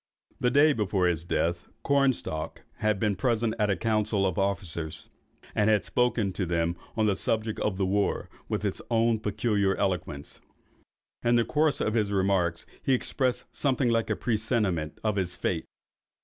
The day before his death, Cornstalk had been present at a council of the officers, and had spoken to them on the subject of the war, with his own peculiar eloquence. In the course of his remarks, he expressed something like a presentiment of his fate.